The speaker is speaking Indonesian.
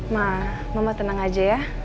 mah mama tenang aja ya